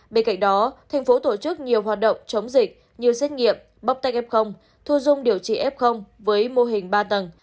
bên cạnh đó tp hcm tổ chức nhiều hoạt động chống dịch nhiều xét nghiệm bóc tay f thu dung điều trị f với mô hình ba tầng